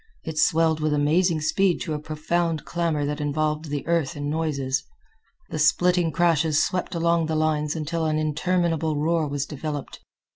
It swelled with amazing speed to a profound clamor that involved the earth in noises. The splitting crashes swept along the lines until an interminable roar was developed.